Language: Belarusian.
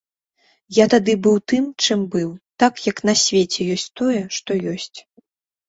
Я тады быў тым, чым быў, так, як на свеце ёсць тое, што ёсць.